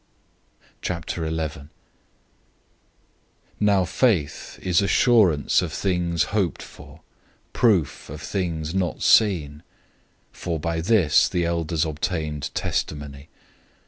011:001 Now faith is assurance of things hoped for, proof of things not seen. 011:002 For by this, the elders obtained testimony.